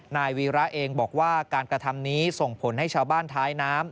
นายวีระเองบอกว่าการกระทำนี้ส่งผลให้ชาวบ้านท้ายน้ำ